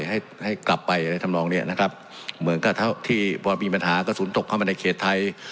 ให้ให้กลับไปอะไรทำนองเนี้ยนะครับเหมือนกับเท่าที่พอมีปัญหากระสุนตกเข้ามาในเขตไทย